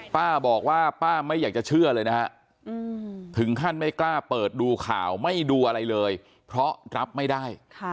ป้าบอกว่าป้าไม่อยากจะเชื่อเลยนะฮะถึงขั้นไม่กล้าเปิดดูข่าวไม่ดูอะไรเลยเพราะรับไม่ได้